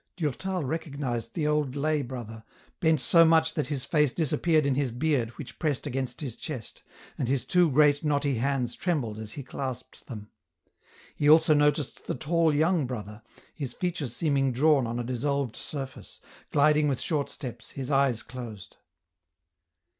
Durtal recognized the old lay brother, bent so much that his face disappeared in his beard which pressed against his EN ROUTE. 189 chest, and his two great knotty hands trembled as he clasped them ; he also noticed the tall young brother, his features seeming drawn on a dissolved surface, gliding with short steps, his eyes closed.